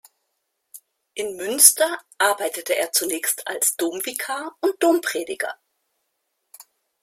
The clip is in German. In Münster arbeitete er zunächst als Domvikar und Domprediger.